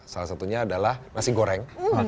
salah satunya adalah nasi goreng